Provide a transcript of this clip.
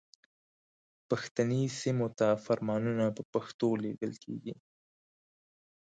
پښتني سیمو ته فرمانونه په پښتو لیږل کیږي.